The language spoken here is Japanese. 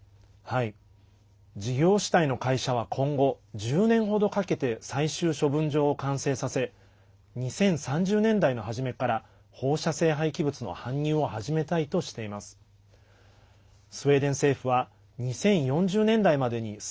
事業主体の会社は今後１０年程かけて最終処分場を完成させ２０３０年代の初めから放射性廃棄物の搬入を始めたいとしています。